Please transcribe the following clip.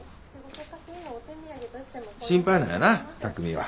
心配なんよな巧海は。